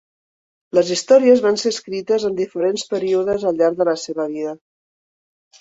Les històries van ser escrites en diferents períodes al llarg de la seva vida.